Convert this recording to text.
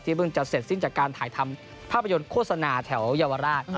เพิ่งจะเสร็จสิ้นจากการถ่ายทำภาพยนตร์โฆษณาแถวเยาวราช